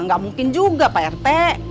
nggak mungkin juga pak rt